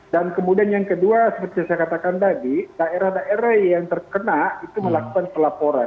dan kemudian yang kedua seperti yang saya katakan tadi daerah daerah yang terkena itu melakukan pelaporan